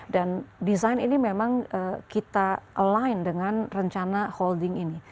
dan desain ini memang kita align dengan rencana holding ini